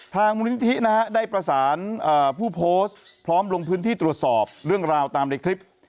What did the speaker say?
มูลนิธินะฮะได้ประสานผู้โพสต์พร้อมลงพื้นที่ตรวจสอบเรื่องราวตามในคลิป